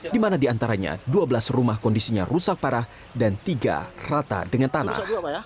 di mana diantaranya dua belas rumah kondisinya rusak parah dan tiga rata dengan tanah